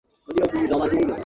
গাড়ি পরিষ্কার করে ঘুমিয়ে পড়েছি।